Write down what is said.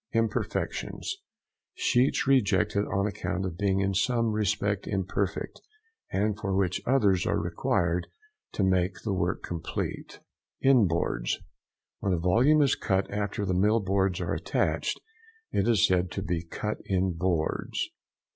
IMPERFECTIONS.—Sheets rejected on account of being in some respect imperfect, and for which others are required to make the work complete. IN BOARDS.—When a volume is cut after the mill boards are attached, it is said to be cut in boards.